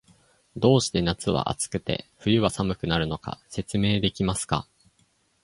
どうして夏は暑くて、冬は寒くなるのか、説明できますか？